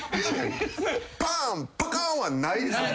パーンパカンはないですよね。